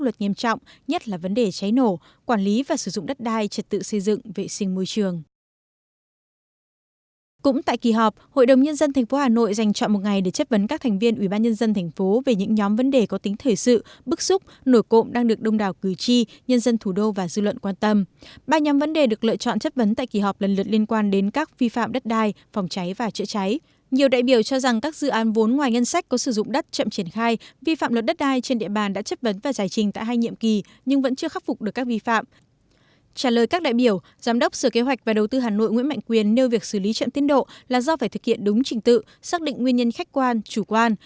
trả lời các đại biểu giám đốc sở kế hoạch và đầu tư hà nội nguyễn mạnh quyền nêu việc xử lý trận tiến độ là do phải thực hiện đúng trình tự xác định nguyên nhân khách quan chủ quan